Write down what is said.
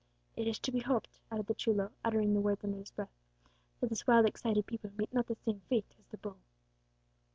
It is to be hoped," added the chulo, uttering the words under his breath, "that this wild, excited people meet not the same fate as the bull!"